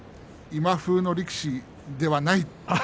今風の力士ではない